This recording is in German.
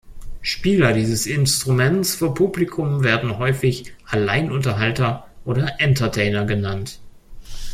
Spieler dieses Instruments vor Publikum werden häufig „Alleinunterhalter“ oder „Entertainer“ genannt.